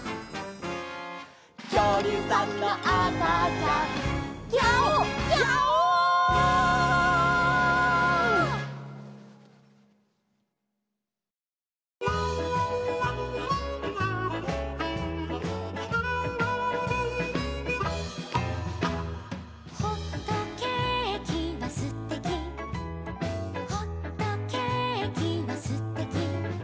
「きょうりゅうさんのあかちゃん」「ギャオギャオ」「ほっとけーきはすてき」「ほっとけーきはすてき」